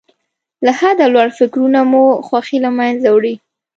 له حده لوړ فکرونه مو خوښۍ له منځه وړي.